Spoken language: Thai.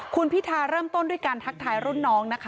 คุณพิธาเริ่มต้นด้วยการทักทายรุ่นน้องนะคะ